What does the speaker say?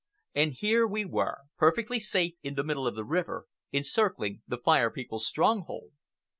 And here we were, perfectly safe in the middle of the river, encircling the Fire People's stronghold.